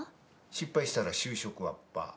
失敗したら就職はパア。